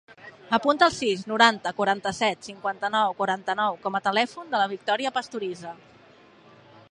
Apunta el sis, noranta, quaranta-set, cinquanta-nou, quaranta-nou com a telèfon de la Victòria Pastoriza.